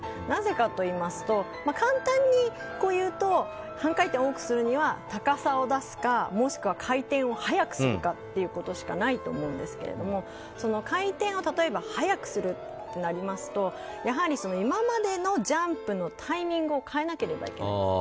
なぜかと言いますと簡単にいうと半回転多くするには高さを出すか、もしくは回転を速くすることしかないと思うんですけれども回転を例えば速くしますと今までのジャンプのタイミングを変えなければいけない。